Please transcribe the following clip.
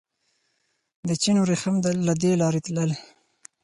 د چین وریښم له دې لارې تلل